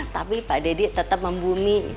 tapi pak deddy tetap membumi